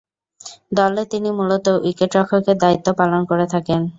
দলে তিনি মূলত উইকেট রক্ষকের দায়িত্ব পালন করে থাকেন।